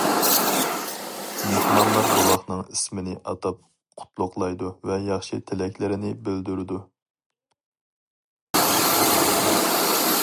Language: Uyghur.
مېھمانلار بوۋاقنىڭ ئىسمىنى ئاتاپ قۇتلۇقلايدۇ ۋە ياخشى تىلەكلىرىنى بىلدۈرىدۇ.